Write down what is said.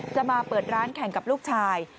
จะมาเปิดร้านแข่งกับลูกชาย